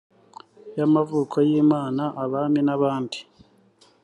y amavuko y imana abami n abandi